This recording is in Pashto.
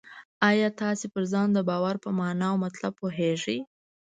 آیا تاسې پر ځان د باور په مانا او مطلب پوهېږئ؟